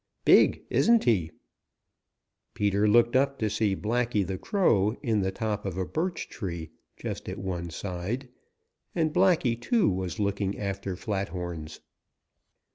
"Big, isn't he?" Peter looked up to see Blacky the Crow in the top of a birch tree just at one side, and Blacky, too, was looking after Flathorns.